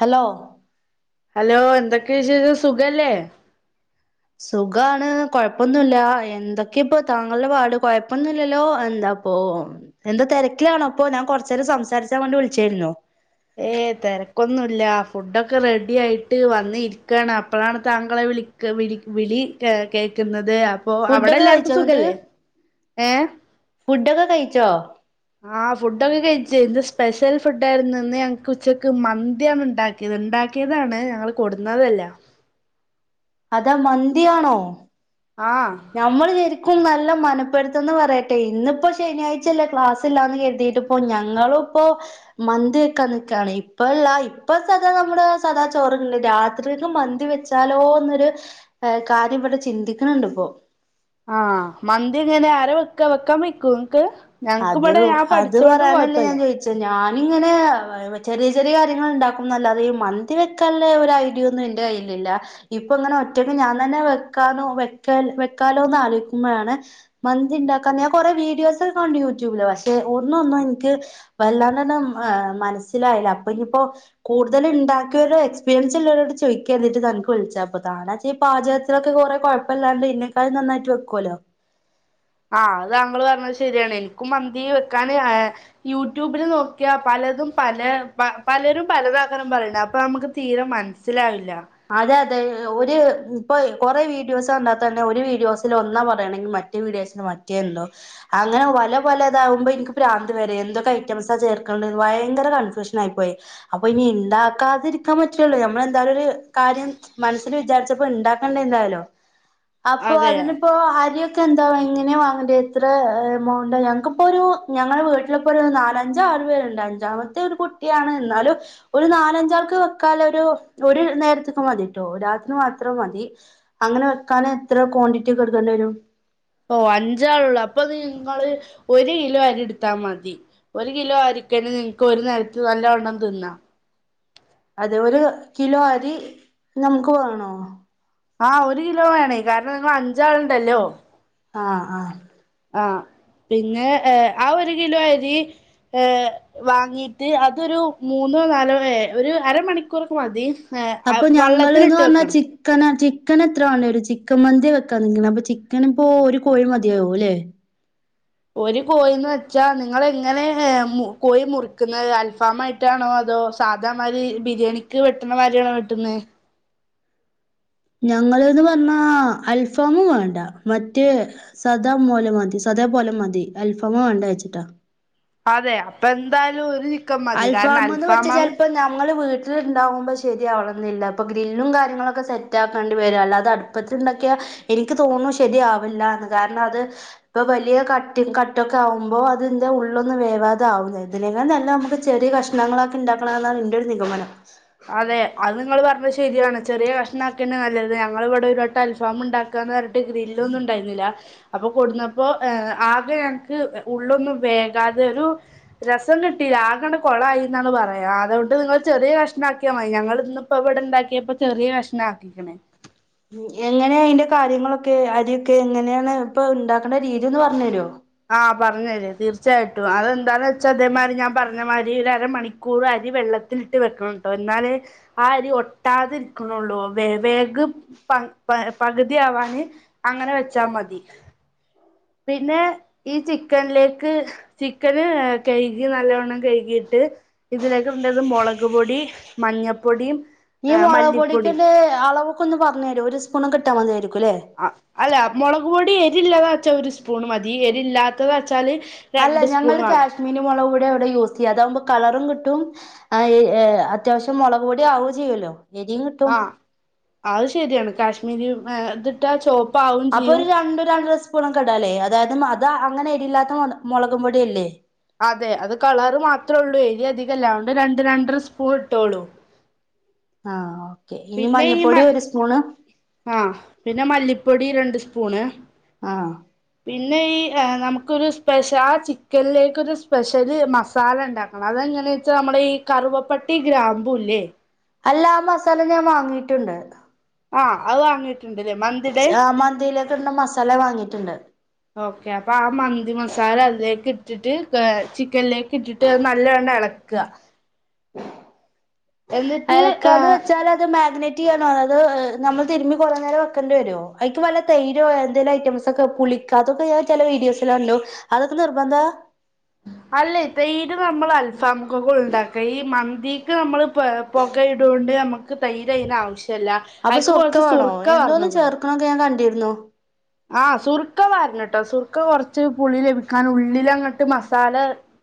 Hello hello എന്തൊക്കെ വിശേഷം സുഖല്ലേ സുഖാണ്, കൊഴപ്പൊന്നുമില്ല എന്തൊക്കേപ്പൊ താങ്കളുടെ പാട് കൊഴപ്പൊന്നുല്ലല്ലോ എന്താ ഓഹ് എന്താ തെരക്കിലാണോ ഇപ്പോ ഞാൻ കൊർച്ചേരം സംസാരിച്ചാവേണ്ടി വിൾച്ചേര്ന്നു ഏ തെരക്കൊന്നുല്ല ഫുഡൊക്കെ റെഡി ആയിട്ട് വന്നിരിക്കാണ്. അപ്പളാണ് താങ്കളെ വിളി ക്ക വിളി വിളി കേക്ക്‌ന്നത്, അപ്പൊ ഫുഡൊക്കെ കഴിച്ചോ അവടെല്ലാർക്കും എന്നിട്ട് സുഖല്ലേ ഏഹ് ഫുഡൊക്കെ കഴിച്ചോ? ആഹ് ഫുഡ്ക്കെ കഴിച്ച്. ന്ന് സ്പെഷ്യൽ ഫുഡായിരുന്നു. ഇന്ന് ഞങ്ങക്ക് ഉച്ചക്ക് മന്ത്യാണ് ണ്ടാ ക്യത്. ഇണ്ടാക്കിയതാണ് ഞങ്ങള് കൊട്ന്നതല്ല അതാ മന്തിയാണോ ആഹ് നമ്മള് ശരിക്കും നല്ല മനപ്പെരുത്തന്ന് പറയട്ടെ ഇന്ന്പ്പോ ശനിയാഴ്ചല്ലേ ക്ലാസ്സ്ലാന്ന് കെരുതിയിട്ട് പ്പൊ ഞങ്ങളുപ്പോ മന്തി വെക്കാൻ നിക്കാണ്. ഇപ്പളല്ല ഇപ്പ സദാ നമ്മുടെ സദാ ചോറന്നണ്ട് രാത്രികക്ക് മന്തി വെച് ചാലോ ന്നൊരു കാര്യം വടെ ചിന്തിക്ക്‌ണ് ണ്ട് പ്പൊ ആഹ് മന്ത്യെങ്ങനെ ആര വെക്കാ വെക്കാൻ വെയ്ക്കൂ ങക്ക് അതു അത് പറയാനല്ലേ ഞാൻ ചോയി ച്ചഹ്. ഞാനിങ്ങനെ ചെറിയ ചെറിയ കാര്യങ്ങൾണ്ടാക്കുന്നല്ലാതെ ഈ മന്തി വെക്കാള്ളെ ഒരഐഡിയൊന്നും ഇൻ ന്റെ കയ്യില്ലില്ല ഇപ്പൊങ്ങനെ ഒറ്റക്ക് ഞാൻ തന്നെ വെക്കോ വെക്ക വെക്കാലോന്നാലോയ്ക്കുമ്പളാണ് മന്തിണ്ടാക്കാന് ഞാൻ കൊറെ വീഡിയോസൊക്കെകണ്ടു യൂട്യൂബില് പക്ഷെ ഒന്നു ഒന്നും എനിക്ക് വല്ലാതണ്ട് ഏഹ് മനസ്സിലായില്ല അപ്പൊന്നിപ്പൊ കൂടുതല് ഉണ്ടാക്കിയവരുടെ എക്സ്പീരിയൻസ്ള്ളവരോട് ചോദിക്കരുതീറ്റ് തൻക്ക് വിൾച്ചാപ്പൊ താനാച് ഈ പാചകത്തിലൊക്കെ കൊറെ കൊഴപ്പല്ലാണ്ട് ഇന്നെക്കാളും നന്നായിട്ട് വെക്കോലോ ആഹ് അത് താങ്കള് പറഞ്ഞത് ശരിയാണ് എനിക്കും മന്തി വെക്കാന് ആ യൂട്യൂബില് നോക്കിയ പലതും പല പ പലരും പലതാക്കാരും പറയുന്ന അപ്പൊ നമുക്ക് തീരെ മനസ്സി സിലാവില്ല അതെ അതെ ഒരു ഇപ്പൊ കൊറെ വീഡിയോസ് കണ്ടാതന്നെ ഒരു വീഡിയോസിൽ ഒന്നാ പറയണെങ്കിൽ മറ്റേ റ്റേ വീഡിയോസില് മറ്റേ എന്തോ അങ്ങനെ പല പലതാകുമ്പോ എനിക്ക് ഭ്രാന്ത് വരു എന്തൊക്കെ ഐറ്റംസാ ചേർക്കേണ്ടത് ഭയങ്കര കൺഫ്യൂഷൻ ആയി പോയി അപ്പൊ ഇനി ഇണ്ടാക്കാതിരിക്കാൻ പറ്റുല്ലല്ലോ നമ്മളെന്തായാലും ഒരു കാര്യം മനസ്സിൽ വിചാരിച്ചപ്പോ ഇണ്ടാക്കണ്ടെന്തായാലോ അപ്പൊ അതെ അതിനിപ്പോ അരി ഒ ക്കെന്താ എങ്ങനെയെ വാങ്ങണ്ടേ എത്ര എമൗണ്ട് ഞങ്ങക്കിപ്പൊരു ഞങ്ങളു വീട്ടില ഇപ്പൊരു നാലഞ്ചാറു പേരുണ്ട് അഞ്ചാമത്തെ ഒരു കുട്ടിയാണ് എന്നാലും ഒരു നാലഞ്ചാൾക്ക് വെക്കാൽ ഒരു ഒരു നേരത്തെ ക്ക് മതിട്ടോ രാത്രി മാത്രം മതി അങ്ങനെ വെക്കാൻ എത്ര ക്വാണ്ടിറ്റി എടുക്കേണ്ടി വരും ഓ അഞ്ചാളുള്ളൂ അപ്പൊ നിങ്ങള് ഒരു കിലോ അരി എടുത്താ മതി ഒരു കിലോ അരിക്കെന് നിങ്ങക്ക് ഒരു നേരത്ത് നല്ല വണ്ണം തിന്നാ അതെ ഒരു കിലോ അരി നമുക്ക് വേണോ ആഹ് ഒരു കിലോ വേണേ കാരണം നിങ്ങൾ അഞ്ചാളുണ്ടല്ലോ ആഹ് ആഹ് ആ പിന്നെ ഏ ആ ഒരു കിലോ അരി ഏ വാങ്ങീട്ട് അതൊരു മൂന്നോ നാലോ ഏ ഒരു അര മണിക്കൂറൊക്കെ മതി അപ്പൊ ഞങ്ങള്ന്ന് വള്ളത്തിലിട്ട് പറഞ്ഞാ വെക്കണം ചിറ്റ് ചിക്കന ചിക്കൻ എത്ര ആണ് ഒരു ചിക്കൻ മന്തി വെക്കാനിങ്ങനെ അപ്പൊ ചിക്കൻ ഇപ്പോ ഒരു കോഴി മതിയാവോല്ലേ ഒരു കോഴന്ന് വെച്ചാ നിങ്ങളെങ്ങനെ കോഴി മുറിക്കുന്നത് അൽഫാമായിട്ട് ക്കാണോ അതോ സാദാമാതിരി ബിരിയാണിക്ക് വെട്ടണ മാതിരിണോ വെട്ടുന്നേ ഞങ്ങള്ന്ന് പറഞ്ഞാ അൽഫാമ് വേണ്ട മറ്റേ സദാ പോലെ മതി സദാ പോലെ മതി അൽഫാം വേണ്ടാ വെച്ചിട്ടാ അതെ അപ്പൊ എന്തായാലും ഒരു ചി അൽഫാമ്ന്ന് വെച്ചാ ചിലപ്പോ ഞങ്ങള് വീട്ട ട്ടില് ഇണ്ടാകുമ്പോ ശരിയാവണംന്നില്ല ഇപ്പൊ ഗ്രില്ലും കാര്യങ്ങളൊക്കെ സെറ്റ് ആക്കേണ്ടി വരും അല്ലാതെ അടുപ്പത്തി ഉണ്ടാക്കിയ എനിക്ക് തോന്നുന്നു ശരിയാവില്ല എന്ന് കാരണം അത് ഇപ്പൊ വലിയ കട്ടിങ് കട്ടൊക്കെ ആകുമ്പോൾ അതിന്റ ഉള്ളൊന്നും വേവാതെ ആവുന്ന ഇതിനെക്ക നല്ല നമുക്ക് ചെറിയ കഷ്ണങ്ങളൊക്കെ ഉണ്ടാക്കണന്നാണ് എന്റെ ഒരു നിഗമനം അതെ അത് നിങ്ങള് പറഞ്ഞത് ശരിയാണ് ചെറിയ കഷ്ണം ആക്കേണേ നല്ലത് ഞങ്ങൾ ഇവിടെ ഒരുവട്ടം അൽഫാം ഉണ്ടാക്ക ക്കാന്ന് പറഞ്ഞിട്ട് ഗ്രില്ലൊന്നും ഉണ്ടായിരുന്നില്ല അപ്പൊ കൊണ്ടന്നപ്പോ ഏ ആകെ ഞങ്ങക്ക് അ ഉള്ളൊന്നും വേകാതെ ഒരു രസം കിട്ടിയില്ല ആകണ്ട് കൊളായി എന്നാണ് പറയാം അതുകൊണ്ട് നിങ്ങൾ ചെറിയ കഷ് ണാക്കിയാ മതി ഞങ്ങള് ഇന്നിപ്പോ ഇവിടെ ഇണ്ടാക്കിയപ്പോ ചെറിയ കഷണാക്കിക്കണ് ഉം എങ്ങനേ ഇയിന്റെ കാര്യങ്ങളൊക്കെ അരിയൊക്കെ എങ്ങനെയാണ് ഇപ്പൊ ഉണ്ടാക്കണ്ട രീതിന്ന് പറഞ്ഞരോ ആഹ് പറഞ്ഞരാം തീർച്ചയായിട്ടും അതെന്താന്ന് വെച്ചാ അതേമാരി ഞാൻ പറഞ്ഞ് ഞ്ഞമാരി ഒരമണിക്കൂർ അരി വെള്ളത്തിലിട്ട് വെക്കണം കേട്ടോ എന്നാലെ ആ അരി ഒട്ടാതിരിക്കുണുള്ളൂ വേ വേക് പക് പകുതിയാവാന് അങ്ങനെ വെച്ചാ മതി പിന്നെ ഈ ചിക്കനിലേക്ക് ചിക്കന് കഴ്കി നല്ലോണ്ണം കഴ്കിട്ട് ഇതിലേക്ക് ഇടേണ്ടത് മുളക് പൊടി മഞ്ഞപ്പൊടിയും ഈ ഏഹ് മുളക് മല്ലിപ്പൊടിയും പൊടിക്കിന്റെ അളവക്ക ഒന്ന് പറഞ്ഞു തരോ ഒരു സ്പൂണൊക്കെ ഇട്ടാ മതിയായിരിക്കുല്ലേ ആഹ് അല്ല മുളക് പൊടി എരി ഇല്ലാത വെച്ചാൽ ഒരു സ്പൂൺ മതി എരില്ലാത്തതാ വെച്ചാല് അല്ല ഞങ്ങള് കാശ്മീരി മുളക കൂടെ അവിടെ യൂസ് ചെയ്യാം അതാകുമ്പോ കളറും കിട്ടും ആഹ് അത്യാവശ്യം മുളക് പൊടി ആവുകയും ചെയ്യുമല്ലോ ആഹ അത് ശരിയാണ് കാശ്മീരി ഇതിട്ടാ ചോപ്പ അപ്പൊ ഒരു രണ്ട രണ്ടര സ്പൂണ ഒക്കെടാലേ അതായത് അത് അങ്ങനെ എരിയില്ലാത്ത മുളകും പൊടിയല്ലേ അതെ അത് കളറ് മാത്രേ ഉള്ളൂ എരി അധികല്ല അതുകൊണ്ട് രണ്ട് രണ്ടര സ്പൂൺ ഇട്ടുള്ളൂ ആഹ് ഓക്കേ ഇനി പിന്നെ ഈ മഞ്ഞൾപ്പൊടി മ ഒരു സ്പൂണ് ആഹ് പിന്നെ മല്ലിപ്പൊടി രണ്ട് സ്പൂണ് ആഹ് പിന്നെ ഈ നമുക്കൊരു സ്പെഷ്യൽ ആ ചിക്കനിലേക്കരു സ്പെഷ്യല് മസാല ഉണ്ടാക്കും അതെങ്ങനെ വെച്ചാ നമ്മുടെ ഈ കറുവപ്പെട്ടി ഗ്രാമ്പവും ഇല്ലേ അല്ല ആഹ് മസാല ഞാൻ വാങ്ങിയിട്ടുണ്ട് ആഹ് അത്‌ വാങ്ങി ഉണ്ടലെ മ മന്തിയിലേക്ക് ഇടുന്ന മസാല വാങ്ങിയിട്ടുണ്ട്. ഓക്കെ അപ്പൊ ആ മന്തി മസാല അതിലേക്ക് ഇട്ടിട്ട് ചിക്കനിലേക്ക് ഇട്ടിട്ട്. ന്നിട്ട് അത് നല്ലംട് ഇളക്ക. എന്നിട്ട് എളക്കാന്ന് ഏഹ് വെച്ചാൽ അത് മാഗ്നേറ്റ്. ണോ അതോ നമ്മൾതിരുമ്മി കുറെ നേരം വെക്കേണ്ടി വരോ. അതിക്ക് വല്ല തൈരോ എന്തെങ്കിലും ഐറ്റംസ് ഒക്കെ പളി അതൊക്കെ ഞൻ ചില വീഡിയോസിലെ കണ്ടു അതൊക്കെ നിർബന്ധ. അല്ല ഇതൈര് നമ്മൾ അൽഫാമക്കൊക്കെ ഉണ്ടാക്ക ഈ മന്തിക്ക് നമ്മൾ ഇപ്പ പുക ഇടുകൊണ്ട് നമുക്ക് തൈരന് ആവശ്യമല്ല. അപ്പൊ സുർക്കമാണോ എന്തോന്നും ചേർക്കണൊക്കെ ഞാൻ കണ്ടിരുന്നു. ആഹ് സുർക്ക പരണംട്ടോ സുർക്ക കുറച്ച് പുളി ലഭിക്കാൻ ഉള്ളിലങ്ങട്ട് മസാല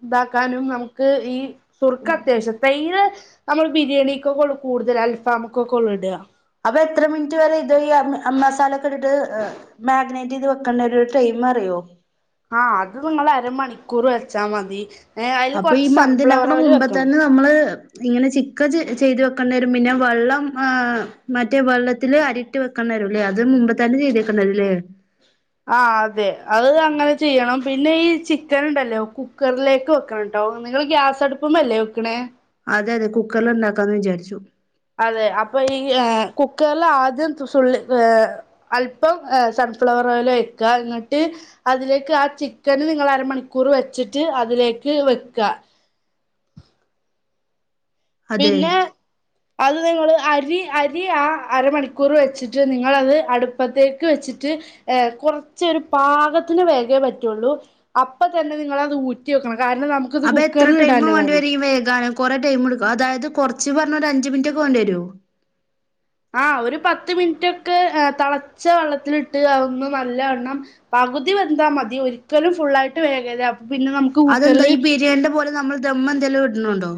ഇതാക്കാനും നമുക്ക് ഈ സുർക്ക അത്യാവശ്യം. തൈര് നമ്മള് ബിരിയാണിക്കൊള്ളൂ കൂടുതൽ അൽഫാമക്കൊക്കെ കൊള്ളൂ ഇട. അപ്പൊ എത്ര മിനിറ്റ് വരെ ഇത് യ്യാ മസാല ഒക്കെ ഇട്ടട്ട്. മാഗ്നേറ്റ് ചെയ്ത് വെക്കേണ്ട രു ടൈയിം അറിയോ? ആഹ അത് നിങ്ങൾ അരമണിക്കൂർ വെച്ചാ മതി ഏഹ് അതിൽ അപ്പൊ ഈ കുറച്ച് മന്തി സൺഫ്ലവർ ഉണ്ടാക്കണ ഒയിൽ മുമ്പേ വെക്കണം. തന്നെ നമ്മള് ഇങ്ങനെ ചിക്ക ചെയ്ത് വെക്കേണ്ട വരും പിന്നെ വെള്ളം ആഹ് മറ്റേ വെള്ളത്തില് അരി വെക്കണ്ടെരും അല്ലേ അത് മുമ്പ് തന്നെ ചെയ്തക്കണ്ടിരോ അല്ലേ. ആഹ് അതെ അത് അങ്ങനെ ചെയ്യണം പിന്നെ ഈ ചിക്കൻ ഉണ്ടല്ലോ കുക്കറിലേക്കോ വക്കണ ട്ടോ നിങ്ങൾ ഗ്യാസടുപ്പല്ലേ വെക്കണ്. അതെ അതെ കുക്കറൽ ഉണ്ടാക്കാന്ന് വിചാരിച്ചു. അതെ അപ്പൊ ഈ കുക്കർല ആദ്യം തുള്ളി. അല്പം സൺഫ്ലവർ ഓയില് ഒയ്ക്കാ ന്നട്ട്. അതിലേക്ക് ആ ചിക്കന് നിങ്ങൾ അരമണിക്കൂർ വെച്ചിട്ട് അതിലേക്ക് വെക്ക. അതെ പിന്നെ അത് നിങ്ങൾ അരി അരി ആ അരമണിക്കൂർ വെച്ചിട്ട് നിങ്ങളത് അടുപ്പത്തേക്ക് വെച്ചിട്ട്. ഏഹ് കുറച്ച് ഒരു പാകത്തിന് വേഗ് യേ പറ്റുള്ളൂ. അപ്പൊ തന്നെ നിങ്ങള അത് ഊറ്റി വെക്കണം കാരണം നമുക്ക് അപ്പൊ എത്ര ടൈം വേണ്ടി വരും വേകാൻ കുറേ ടൈമ് ടുക്കു അതായത് കുറച്ച് പറഞ്ഞഞ് അഞ്ച് മിനിറ്റ് ഒക്കെ വേണ്ടി വരോ ആഹ ഒരു പത്ത് മിനിറ്റ്ക്കെ തിളച്ച വെള്ളത്തിലിട്ട് ഒന്നും നല്ലവണ്ണം. പകുതി വെന്താൽ മതി ഒരിക്കലും ഫുള്ളായിട്ട് വേഗരുത്. അതെന്താ ഈ ബിരിയാണിയുടെ പോലെ നമ്മൾ ദമ്മ് എന്തേലും ഇട്ണ് ണ്ടോ?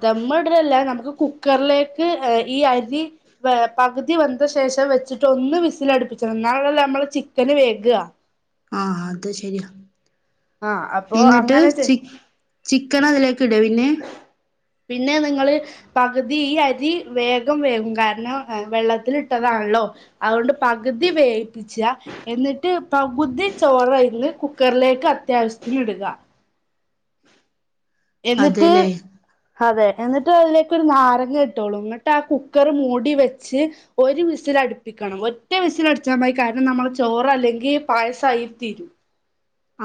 ദമ്മ് ഇടല്ല നമുക്ക് കുക്കറിലേക്ക് ഈ അരി. പകുതി വെന്തശേഷം വെച്ചിട്ട് ഒന്ന് വിസൽടിപ്പിച്ചണം എന്നാല്ല ലോ നമ്മള് ചിക്കന് വേഗാ. ആഹ് അത് ശരിയാ ആഹ് അപ്പൊ എന്നിട്ട് അങ്ങനെ ചെ ചി ചിക്കൻ അതിലേക്ക് ഇട പിന്നെ പിന്നെ നിങ്ങള് പകുതി ഈ അരി വേഗം വേകും കാരണം വെള്ളത്തിൽ ഇ ട്ടതാണല്ലോ അതുകൊണ്ട് പകുതി വേവിപ്പിച്ച. എന്നിട്ട് പകുതി ചോറ് അയ്ന്ന് കുക്കറിലേക്ക് അത്യാവശ്യത്തിന് ഇടുക. എന്നിട്ട് അതെല്ലേ അതെ എന്നിട്ട് അതിലേക്കൊ ഒരു നാരങ്ങ ഇട്ടളൂ എന്നിട്ട് ആ കുക്കർ മൂടി വെച്ച്. ഒരു വിസില അടുപ്പിക്കണം ഒറ്റ വിസൽ അടിച്ചാമതി കാരണം നമ്മള ചോറ് അല്ലെങ്കിൽ പായസമായി തീരും.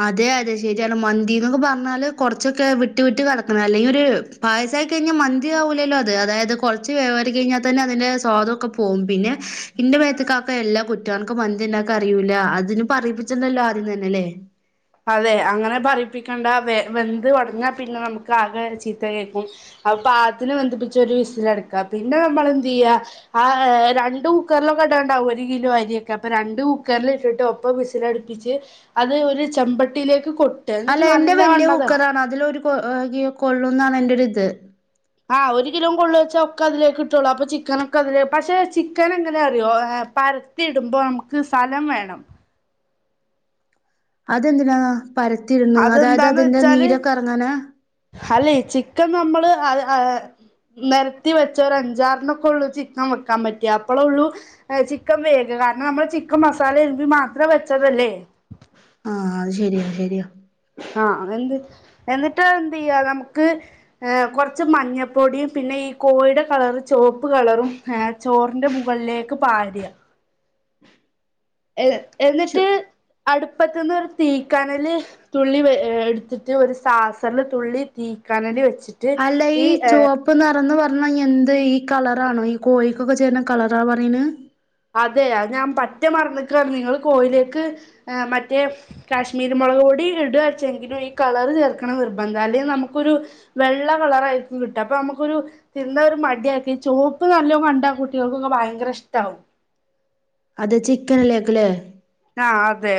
അതെ അതെ ശരിയാണ് മന്തി എന്നൊക്കെ പറഞ്ഞാല് കൊറച്ചൊക്കെ വിട്ട് വിട്ട് കിടക്കണം. അല്ലെങ്ക ഒരു പായസമായി കഴിഞ്ഞാൽ മന്തി ആവൂല്ലല്ലോ അത് അതായത് കുറച്ച് വേവ് റി കഴിഞ്ഞാൽ തന്നെ അതിന്റെ സ്വാദ് ക്കെ പോകും. പിന്നെ ഇന്റെ മേത്ത്ക്ക ആക്കും എല്ലാ കുറ്റുകാർക്കും മന്തി ഉണ്ടാക്കൻ അറിയുല്ല അതിന് പറയിപ്പിച്ചണ്ടല്ലോ ആദ്യം തന്നെ അല്ലേ? അതെ അങ്ങനെ പറപ്പിക്കണ്ട വെ വെന്ത് ഒടഞ്ഞാൽ പിന്നെ നമുക്ക് ആകെ ചീത്ത കേൾക്കും. അപ്പ പാത്തിന് വന്ത്പ്പിച്ച ഒരു വിസില എടിക്ക പിന്നെ നമ്മള് എന്ത് ചെയ്യാ. ആഹ് രണ്ട് കുക്കറിലൊക്കെടണ്ടാവകും ഒരു കിലോ അരിയൊക്കെ അപ്പൊ രണ്ടു കുക്കറൽ ഇട്ടിട്ട്. ഇപ്പൊ വിസിലടിപ്പിച്ച് അത് ഒരു ചെമ്പട്ടിയിലേക്ക് കൊ അല്ല എന്റെ വെല്ല്യേ കുക്കറാണ് അതിലൊരു കൊള്ളുന്നാണ് എന്റൊരിത് ആഹ് ഒരു കിലോ കൊള്ളുച്ച ഒക്കെ അതിലേകിട്ടോള്ളു. അപ്പൊ ചിക്കനൊക്കെ അതില്, പക്ഷെ ചിക്കൻ എങ്ങനെ അറിയോ പര ത്തിടുമ്പോ അമ്മക്ക് സ്ഥലം വേണം അതെന്തിനാ പരത്തിരുന്ന് അതായത് അതിന്റെ നീരൊക്കെ എറങ്ങാനാ? അല്ലെയ് ചിക്കൻ നമ്മള് അത് അ നെരത്തി വെച്ച ഒരഞ്ചാറണൊക്കൊള്ളൂ ചിക്കൻ വെക്കാൻ പറ്റിയ അപ്പളൊള്ളൂ ഏഹ് ചിക്കൻ വേഗ കാരണം നമ്മള് ചിക്കൻ മസാല എരുമ്പി മാത്രം വെച്ചതല്ലേ? ആഹ് അത് ശരിയ ശരിയാ. ആഹ് എന്ത് എന്നിട്ട് എന്ത്യ്യാ നമുക്ക് കൊറച്ച് മഞ്ഞപ്പൊടിയും പിന്നെ ഈ കോഴിടെ കളറ് ചുവപ്പ് കളറും ഹേ ചോറിന്റെ മുകളിലേക്ക് പാരാ ഏ എന്നിട്ട് ശോ അടുപ്പത്ത്ന്ന് ഒരു തീക്കനല് തുള്ളി വെ എടുത്തിട്ട് ഒരു സാസറില് തുള്ളി തീക്കാനൽ വെച്ചിട്ട് അല്ല ഈ ചോപ്പ പ്പ് നെറംന്ന് പറഞ്ഞാൽ എന്ത് ഈ കളറാണോ? ഈ കോയിക്കൊക്കെ ചേരുന്ന കളറാ പറീണ് അതെ അത് ഞാൻ പറ്റേ മറന്നിക്കാണ്. നിങ്ങള് കോയിലേക്ക് ഏ മറ്റേ കാശ്മീരി മൊളക് പൊടി ഇടാച്ചെങ്കിലും ഈ കളർ ചേർക്കണ നിർബന്ധ. അല്ലെങ്കിൽ നമുക്കൊരു വെള്ള കളറായിരിക്കും കിട്ട അപ്പൊ നമുക്കൊരു തിന്ന ഒരു മടിയാക്കി ഈ ചോപ്പ് നല്ലോ കണ്ടാ കുട്ടേൾക്കൊക്കെ ഭയങ്കര ഇഷ്ട്ടാകും അത് ചിക്കനിലേക്ക്ല്ലേ? ആഹ് അതെ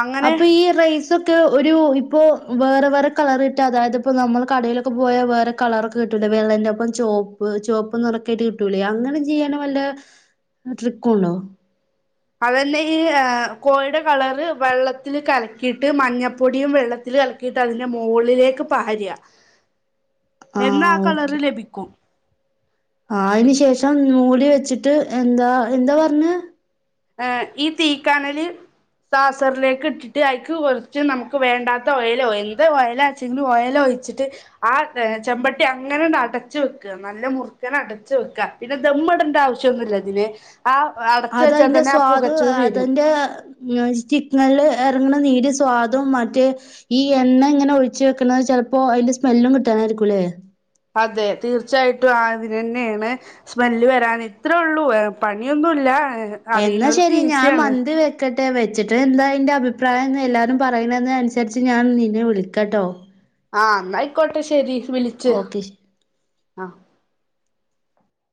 അങ്ങനെ അപ്പൊ ഈ ട്രൈസൊക്കെ ഒരു ഇപ്പോ വേറെ വേറെ കളറിട്ട് അതായത് ഇപ്പോ നമ്മള് കടയിലൊക്കെ പോയ വേറെ കളറൊക്കെ കിട്ടൂലെ, വെള്ളന്റെറപ്പം ചോപ്പ്, ചോപ്പ് നെറൊക്കെയിട്ട് കിട്ടൂലേ അങ്ങനെ ചെയ്യാനും വല്ലേ? ട്രിക്കുണ്ടോ? അതന്നെ ഈ ഏ കോഴിടെ കളറ് വെള്ളത്തില് കലക്കിയിട്ട് മഞ്ഞപ്പൊടിയും വെള്ളത്തിൽ കലക്കി ക്കിയിട്ട് അതിൻ്റെ മോളിലേക്ക് പാരാ എന്നാ ആ കളറ് ലഭിക്കും ആഹ് അയിന് ശേഷം നൂല് വെച്ചിട്ട് എന്താ എന്താ പറഞ്ഞെ ഏഹ് ഈ തീക്കനല് സാസറിലേക്ക് ഇട്ടിട്ട് അയ്ക്ക് കൊറച്ച് നമുക്ക് വേണ്ടാത്ത ഓയിലോ എന്ത് ഓയലാ [unintelligible] ഒയലൊയിച്ചിട്ട് ആ ചെമ്പട്ടി അങ്ങനാണ്ട് അടച്ച് വെക്ക നല്ല മുറ്ക്കനെ അടച്ച് വെക്ക പിന്നെ ദമ്മ്ടണ്ട ആവശ്യോന്നുല്ല ഇതിന് ആ അടച്ച് വെച്ച അയിന്റെ സ്വാദ് അതിന്റെ നൊണ്സ്റ്റിക്ക്നല് എറങ്ണ നീര് സ്വാദും മറ്റേ ഈ എണ്ണ ഇങ്ങനെ ഒഴിച്ച് വെക്ക്ണത് ചെലപ്പോ അയിന്റെ സ്മെല്ലും കിട്ടാനായിരിക്കുംല്ലേ? അതെ തീർച്ചയായിട്ടും ആ ഇതിനെന്നാണ് സ്മെല്ല് വെരാന് ഇത്രേ ഒള്ളൂ ഏ പണിയൊന്നുല്ല എന്നാ അറിയുന്നോൽക്ക് ശെരി ഞാൻ ഈസിയാണ് മന്തി വെ ക്കട്ടെ വെച്ചിട്ട് എന്താ അയിൻ്റെ അഭിപ്രായംന്ന് എല്ലാവരും പറയണതിനനുസരിച്ച് ഞാൻ നിന്നെ വിളിക്കട്ടോ ആഹ് ഇന്നാ അയിക്കോട്ടെ ശെരി വിളിച്ച് ഓക്കെ ശരി ആഹ്